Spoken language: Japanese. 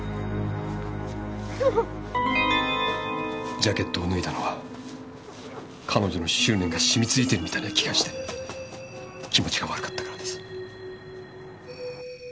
ジャケットを脱いだのは彼女の執念が染みついてるみたいな気がして気持ちが悪かったからです。